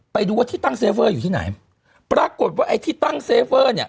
ไปดูว่าที่ตั้งเซเวอร์อยู่ที่ไหนปรากฏว่าไอ้ที่ตั้งเซเวอร์เนี่ย